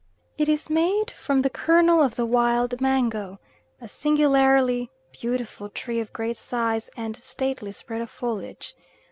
It is made from the kernel of the wild mango, a singularly beautiful tree of great size and stately spread of foliage.